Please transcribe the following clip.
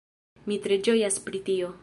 Mi tre ĝojas pri tio